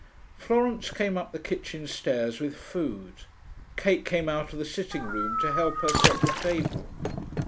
Florence came up the kitchen stairs with food. Kate came out of the sitting room to help her set the table.